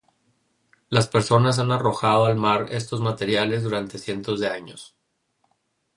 Las personas han arrojado al mar estos materiales durante cientos de años.